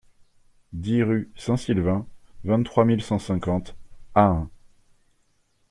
dix rue Saint-Silvain, vingt-trois mille cent cinquante Ahun